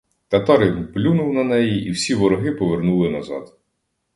Татарин плюнув на неї, і всі вороги повернули назад.